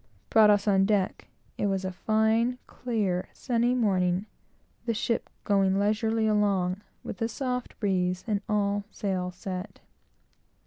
brought us on deck, it was a fine, clear, sunny morning, the ship going leisurely along, with a good breeze and all sail set.